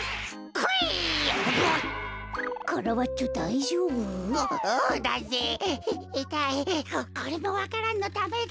ここれもわか蘭のためだ。